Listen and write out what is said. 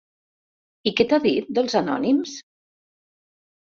I què t'ha dit, dels anònims?